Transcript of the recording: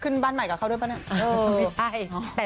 ขึ้นบ้านใหม่กับเขาด้วยมั้ย